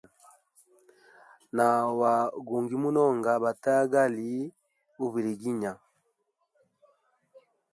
Na wagungi munonga, bategali uviliginya.